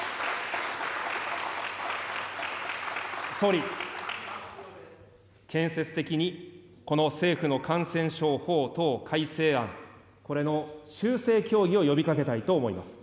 総理、建設的にこの政府の感染症法等改正案、これの修正協議を呼びかけたいと思います。